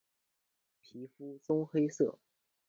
皮肤棕黑色。